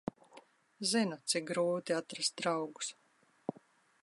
Zinu, cik grūti atrast draugus.